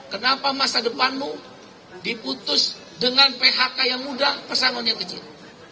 kenapa masa depanmu diputus dengan phk yang mudah pesangon yang kecil